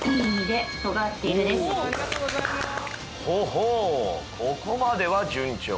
ほほうここまでは順調。